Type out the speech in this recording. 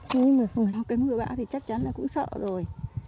cái mưa bão thì chắc chắn là cũng sợ rồi